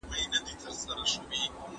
کېدای سي پلان غلط وي.